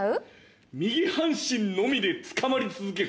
右半身のみでつかまり続ける。